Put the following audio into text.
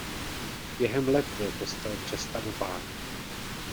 Během let byl kostel přestavován.